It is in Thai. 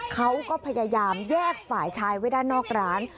เขาก็พยายามแยกฝ่ายชายไว้ด้านนอกร้าน